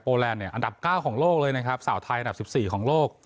โปรแลนด์เนี่ยอันดับเก้าของโลกเลยนะครับสาวไทยอันดับสิบสี่ของโลก